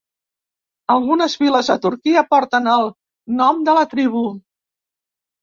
Algunes viles a Turquia porten el nom de la tribu.